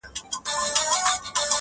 ژوندی انسان و حرکت ته حرکت کوي.